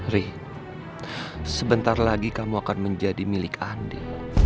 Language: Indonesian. rih sebentar lagi kamu akan menjadi milik andi